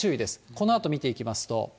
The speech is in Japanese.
このあと見ていきますと。